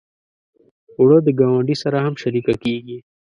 اوړه د ګاونډي سره هم شریکه کېږي